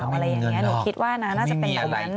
หนูคิดว่าน่าจะเป็นตรงนั้นไหม